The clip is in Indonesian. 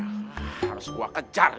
harus gua kejar ini